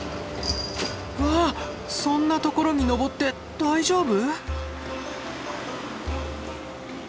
わあそんなところに上って大丈夫？